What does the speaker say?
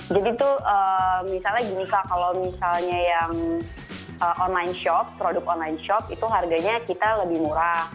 jadi tuh misalnya gini kak kalau misalnya yang online shop produk online shop itu harganya kita lebih murah